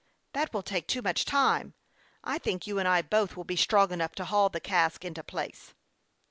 " That will take too much time. I think you and I both will be strong enough to haul the cask into place."